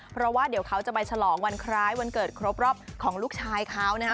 เพราะว่าเดี๋ยวเขาจะไปฉลองวันคล้ายวันเกิดครบรอบของลูกชายเขานะฮะ